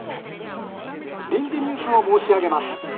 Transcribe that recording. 「臨時ニュースを申し上げます。